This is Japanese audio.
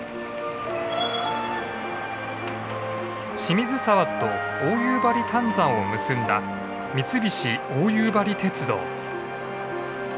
清水沢と大夕張炭山を結んだ三菱大夕張鉄道。